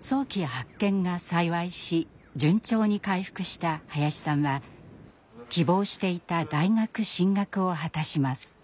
早期発見が幸いし順調に回復した林さんは希望していた大学進学を果たします。